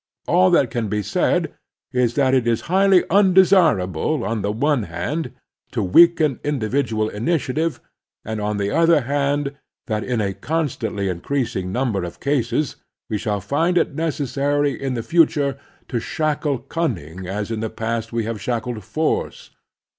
All that can be said is that it is highly tmdesirable, on the one hand, to weaken individual initiative, and, on the other hand, that in a con stantly increasing ntunber of cases we shall find it necessary in the future to shackle cunning as in the past we have shackled force.